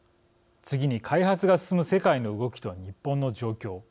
次に、開発が進む世界の動きと日本の状況。